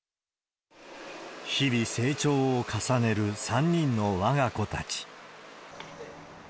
日々、成長を重ねる３人のわが子たち。